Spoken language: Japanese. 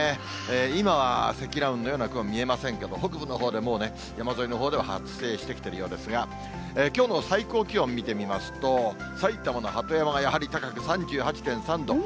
今は積乱雲のような雲、見えませんけど、北部のほうでもうね、山沿いのほうでは発生してきてるようですが、きょうの最高気温見てみますと、埼玉の鳩山がやはり高く３８．３度。